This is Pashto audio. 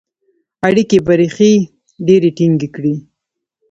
اړیکي به ریښې ډیري ټینګي کړي.